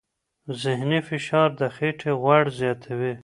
ذهني فشار د خېټې غوړ زیاتوي.